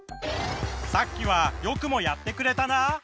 さっきはよくもやってくれたな！